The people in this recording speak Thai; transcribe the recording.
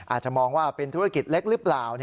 อาจจะมองว่าเป็นธุรกิจเล็กหรือเปล่า